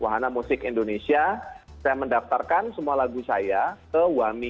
wahana musik indonesia saya mendaftarkan semua lagu saya ke wami